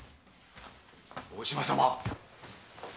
大島様！